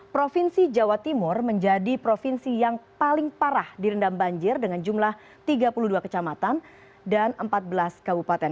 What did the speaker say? provinsi jawa timur menjadi provinsi yang paling parah direndam banjir dengan jumlah tiga puluh dua kecamatan dan empat belas kabupaten